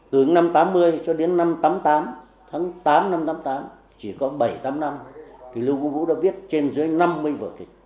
từ năm một nghìn chín trăm tám mươi cho đến năm một nghìn chín trăm tám mươi tám tháng tám năm một nghìn chín trăm tám mươi tám chỉ có bảy tám năm thì lưu quang vũ đã viết trên dưới năm mươi vở kịch